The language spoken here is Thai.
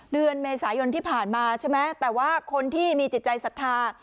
เดือนเมษายนที่ผ่านมาใช่ไหมแต่ว่าคนที่มีจิตใจสัทธา